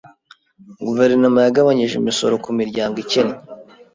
Guverinoma yagabanije imisoro ku miryango ikennye.